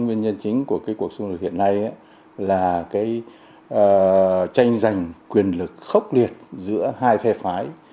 nguyên nhân chính của cái cuộc xung đột hiện nay là tranh giành quyền lực khốc liệt giữa hai phe phái